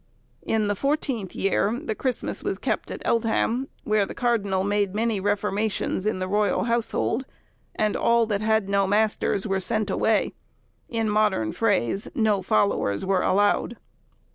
In the fourteenth year the Christmas was kept at Eltham, where the Cardinal made many reformations in the royal household, and all that had no masters were sent away; in modern phrase, no followers were allowed.